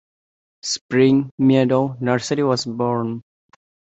Spring Meadow Nursery was born.